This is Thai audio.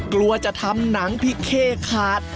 กลัวจะทำหนังพิเข้ขาด